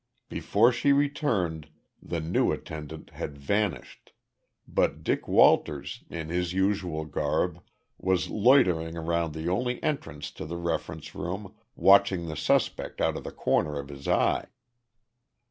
Before she returned the new attendant had vanished, but Dick Walters, in his usual garb, was loitering around the only entrance to the reference room, watching the suspect out of the corner of his eye.